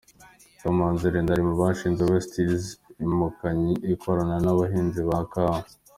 Kamanzi Irénée: Ari mu bashinze West Hills, ikompanyi ikorana n’abahinzi ba kawa.